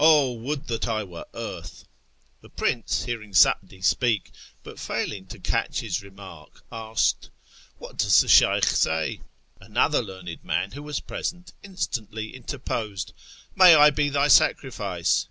(" 0 would that I were earth !"^) The prince, hearing Sa'di speak, but failing to catch his remark, asked, " What does the Sheykh say ?" Another learned man who was present instantly interposed :" May I be thy sacrifice